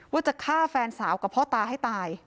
ว่าจะฆ่าแฟนสาวกับพ่อตาให้ตาย